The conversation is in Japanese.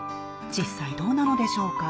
実際どうなのでしょうか？